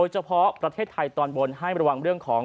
เฉพาะประเทศไทยตอนบนให้ระวังเรื่องของ